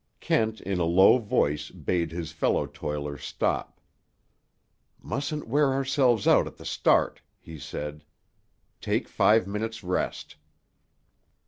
Kent, in a low voice, bade his fellow toiler stop. "Mustn't wear ourselves out at the start," he said. "Take five minutes' rest."